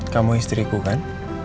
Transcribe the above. kamu istriku kan